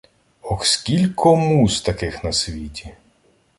Ох, скілько муз таких на світі!